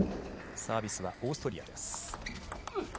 サービスはオーストリアです。